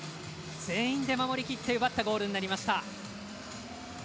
全員で守りきって奪ったゴールになりました。